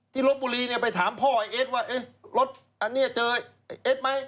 ลบบุรีเนี่ยไปถามพ่อไอ้เอสว่ารถอันนี้เจอไอ้เอ็ดไหม